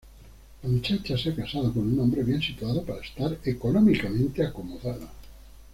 La muchacha se ha casado con un hombre bien situado para estar económicamente acomodada.